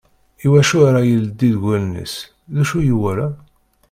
I wacu ara ileddi deg wallen-is? D ucu i yewala?